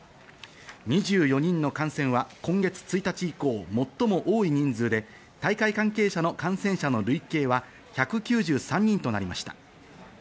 ２４人の感染は今月１日以降、最も多い人数で大会関係者の感染者の累計は１９３人となりました。